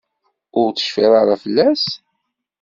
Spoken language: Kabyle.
Ur tecfiḍ ara fell-as?